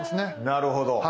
なるほど。